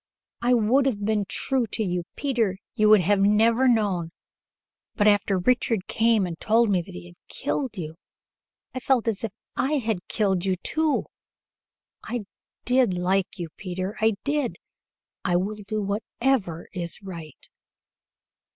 I would have been true to you, Peter; you would have never known but after Richard came and told me he had killed you, I felt as if I had killed you, too. I did like you, Peter. I did! I will do whatever is right."